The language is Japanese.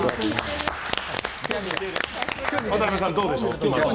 渡邊さん、どうでしょうか。